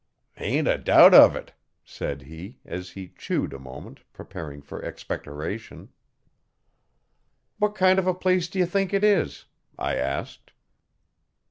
'Hain't a doubt uv it,' said he, as he chewed a moment, preparing for expectoration. 'What kind of a place do you think it is?' I asked.